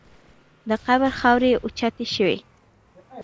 د قبر خاورې اوچتې شوې.